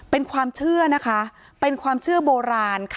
เป็นความเชื่อนะคะเป็นความเชื่อโบราณค่ะ